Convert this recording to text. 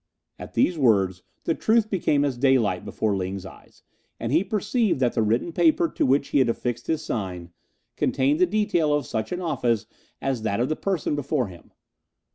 '" At these words the truth became as daylight before Ling's eyes, and he perceived that the written paper to which he had affixed his sign contained the detail of such an office as that of the person before him.